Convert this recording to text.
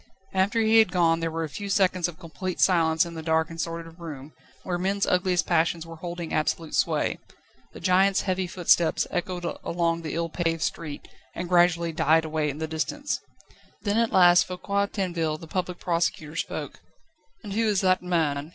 After he had gone there were a few seconds of complete silence in the dark and sordid room, where men's ugliest passions were holding absolute sway. The giant's heavy footsteps echoed along the ill paved street, and gradually died away in the distance. Then at last Foucquier Tinville, the Public Prosecutor, spoke: "And who is that man?"